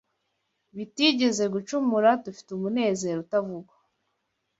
bitigeze gucumura dufite umunezero utavugwa